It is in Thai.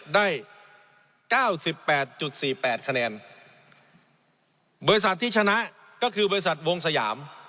ได้เก้าสิบแปดจุดสี่แปดคะแนนบริษัทที่ชนะก็คือบริษัทวงสยาม